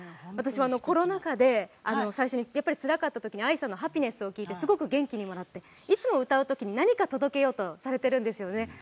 私も、コロナ禍で最初につらかったときに、ＡＩさんの「ハピネス」を聴いてすごく元気をもらっていつも歌うときに何か届けようとされているんですよね。